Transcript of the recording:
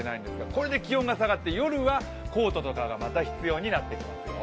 これで気温が下がって、夜はコートなどがまた必要になってきますよ。